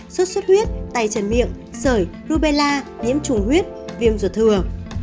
sốt xuất huyết tay chân miệng sởi rubella nhiễm trùng huyết viêm ruột thừa